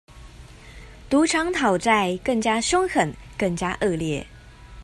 賭場討債更加兇狠、更加惡劣